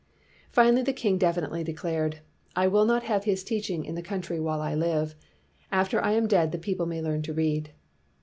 Finally the king definitely declared: "I will not have his teaching in the country while I live. After I am dead the people may learn to read."